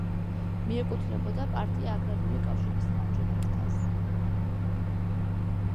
მიეკუთვნებოდა პარტია აგრარული კავშირის მარჯვენა ფრთას.